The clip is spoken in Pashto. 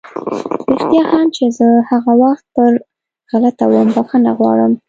رښتيا هم چې زه هغه وخت پر غلطه وم، بښنه غواړم!